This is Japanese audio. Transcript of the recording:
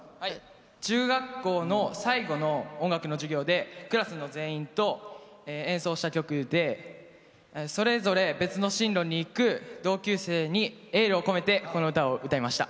中学校の最後の音楽の授業でクラスの全員と演奏した曲でそれぞれ別の進路に行く同級生にエールを込めてこの歌を歌いました。